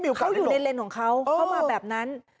เขาอยู่ในเลนส์ของเขาเข้ามาแบบนั้น